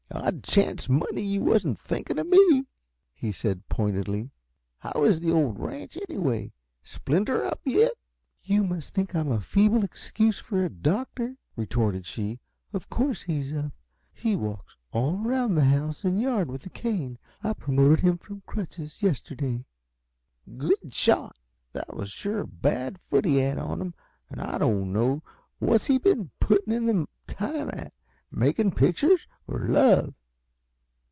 "I'd chance money you wasn't thinking of me," he said, pointedly. "How is the old ranch, anyhow? Splinter up, yet?" "You must think I'm a feeble excuse for a doctor," retorted she. "Of course he's up. He walks all around the house and yard with a cane; I promoted him from crutches yesterday." "Good shot! That was sure a bad foot he had on him, and I didn't know What's he been putting in the time at? Making pictures or love?"